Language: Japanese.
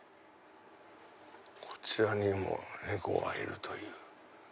こちらにも猫がいるという。